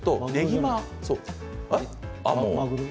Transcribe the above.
まぐろ？